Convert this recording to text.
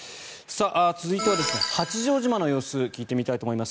続いては八丈島の様子聞いてみたいと思います。